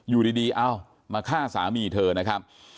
อยู่ดีเอ้ามาฆ่าสามีเธอนะครับ